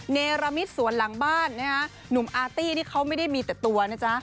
เนรมิตสวนหลังบ้านนะฮะหนุ่มอาร์ตี้นี่เขาไม่ได้มีแต่ตัวนะจ๊ะ